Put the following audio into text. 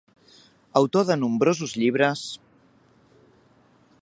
Autor de nombrosos llibres.